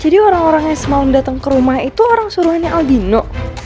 jadi orang orang yang semalu datang ke rumah itu orang suruhannya albino